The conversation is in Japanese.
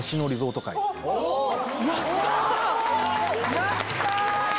やった！